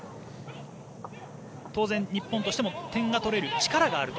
当然、日本としても点が取れる力があると。